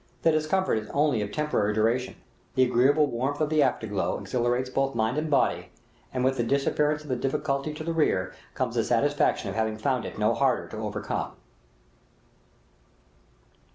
The discomfort is only of temporary duration; the agreeable warmth of the after glow exhilarates both mind and body, and with the disappearance of the difficulty to the rear cornea the satisfaction of having found it no harder to overcome.